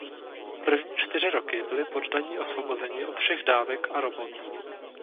První čtyři roky byli poddaní osvobozeni od všech dávek a robot.